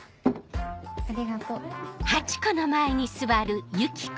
ありがとう。